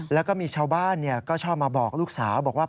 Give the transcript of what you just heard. แล้วก็มีชาวบ้านก็ชอบมาบอกลูกสาวบอกว่า